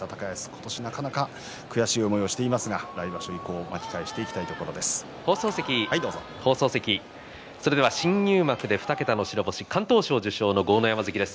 今年はなかなか悔しい思いをしていますが来場所以降、巻き返して新入幕で２桁の白星敢闘賞受賞の豪ノ山関です。